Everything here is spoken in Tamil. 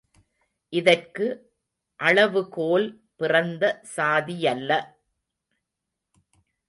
இதற்கு அளவுகோல் பிறந்த சாதியல்ல!